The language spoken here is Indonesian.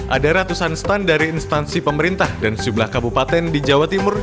ada ratusan stand dari instansi pemerintah dan sejumlah kabupaten di jawa timur